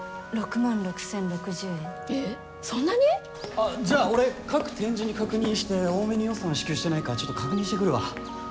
あっじゃあ俺各展示に確認して多めに予算支給してないかちょっと確認してくるわ。